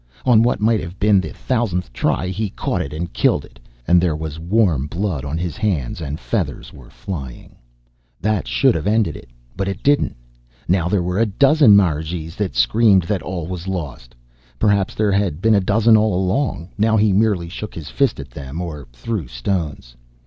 On what might have been the thousandth try, he caught it and killed it, and there was warm blood on his hands and feathers were flying. That should have ended it, but it didn't. Now there were a dozen marigees that screamed that all was lost. Perhaps there had been a dozen all along. Now he merely shook his fist at them or threw stones.